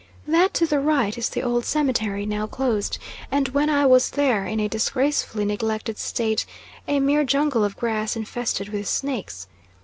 That to the right is the old cemetery, now closed, and when I was there, in a disgracefully neglected state: a mere jungle of grass infested with snakes.